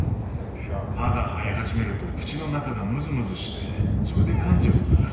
歯が生え始めると口の中がムズムズしてそれで噛んじゃうんだ。